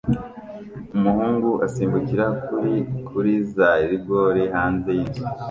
Umuhungu asimbukira kuri kuri za rigore hanze yinzu